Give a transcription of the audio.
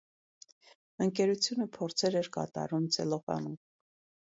Ընկերությունը փորձեր էր կատարում ցելոֆանով։